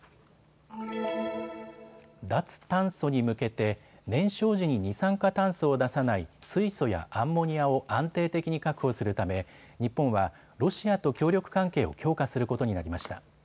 脱炭素に向けて燃焼時に二酸化炭素を出さない水素やアンモニアを安定的に確保するため日本はロシアと協力関係を強化することになりました。